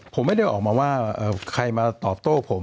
ผมไม่ได้ออกมาว่าใครมาตอบโต้ผม